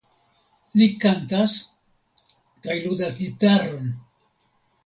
Li kantas kaj ludas gitaron.